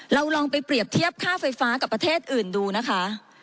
ลองไปเปรียบเทียบค่าไฟฟ้ากับประเทศอื่นดูนะคะ